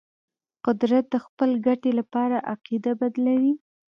قدرت د خپل ګټې لپاره عقیده بدلوي.